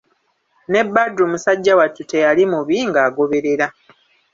Ne Badru musajja wattu teyali mubi, ng'agoberera.